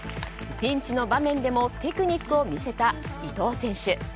ピンチの場面でもテクニックを見せた伊藤選手。